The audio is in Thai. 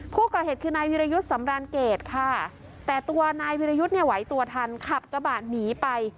ผู้ก่อเหตุคือนายวิรยุทธ์สำรานเกตค่ะแต่ตัวนายวิรยุทธ์เนี่ยไหวตัวทันขับกระบะหนีไป